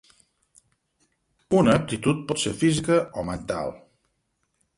Una aptitud pot ser física o mental.